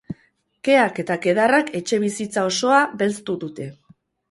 Keak eta kedarrak etxebizitza osoa belztu dute.